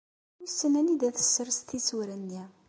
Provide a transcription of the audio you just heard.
Wissen anida tessers tisura-nni!